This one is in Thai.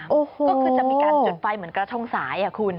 ก็คือจะมีการจุดไฟเหมือนกระทงสายคุณ